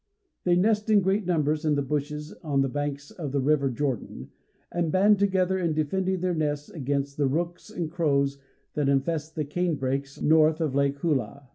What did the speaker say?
They nest in great numbers in the bushes on the banks of the River Jordan, and band together in defending their nests against the rooks and crows that infest the cane brakes north of Lake Hulah.